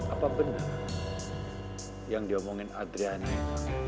apa bener yang diomongin adriana itu